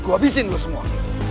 gua abisin lu semua